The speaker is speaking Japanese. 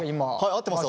合ってます！